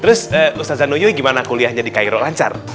terus ustadz zanuyuy gimana kuliahnya di cairo lancar